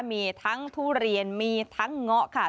มีทั้งทุเรียนมีทั้งเงาะค่ะ